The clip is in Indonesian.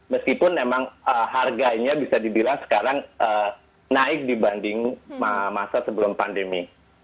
meskipun memang harganya bisa dibilang sekarang naik dibanding masa sebelum pandemi